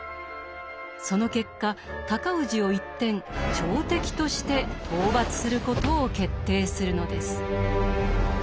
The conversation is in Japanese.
その結果尊氏を一転朝敵として討伐することを決定するのです。